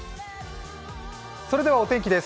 それではお天気です。